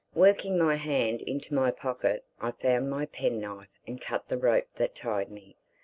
] Working my hand into my pocket, I found my penknife and cut the rope that tied me.